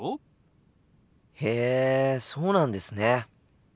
へえそうなんですね。